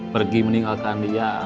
pergi meninggalkan dia